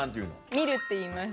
ミルっていいます。